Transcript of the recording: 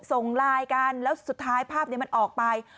ส่งไลน์กันแล้วสุดท้ายภาพนี้มันออกไป